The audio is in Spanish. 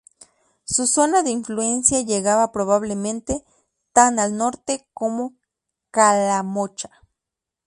Su zona de influencia llegaba probablemente tan al norte como Calamocha.